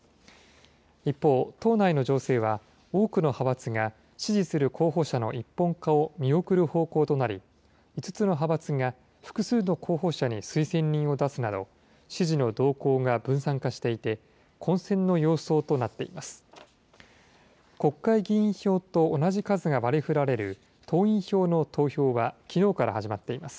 一方、党内の情勢は多くの派閥が支持する候補者の一本化を見送る方向となり、５つの派閥が複数の候補者に推薦人を出すなど支持の動向が分散化していて、混戦の様相となっています。